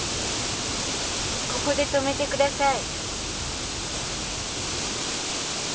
ここで止めてください。